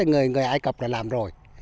người ai cập đã làm rồi